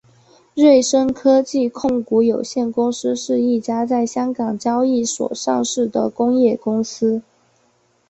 瑞声科技控股有限公司是一家在香港交易所上市的工业公司。